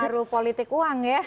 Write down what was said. itu politik uang ya